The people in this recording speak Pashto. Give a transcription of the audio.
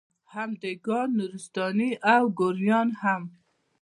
هم دېګان، نورستاني او ګوریان هم